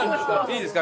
いいですか？